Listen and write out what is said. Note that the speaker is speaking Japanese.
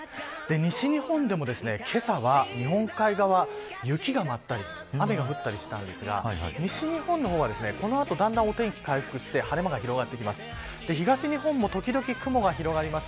西日本でも、けさは日本海側、雪が舞ったり雨が降ったりしたんですが西日本の方はこの後だんだんお天気回復して晴れ間が広がります。